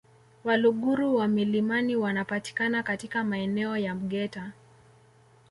Waluguru wa milimani wanapatikana katika maeneo ya Mgeta